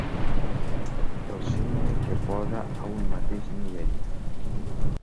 El signe que posa a un mateix nivell.